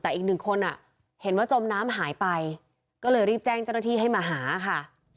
แต่อีกหนึ่งคนอ่ะเห็นว่าจมน้ำหายไปก็เลยรีบแจ้งเจ้าหน้าที่ให้มาหาค่ะ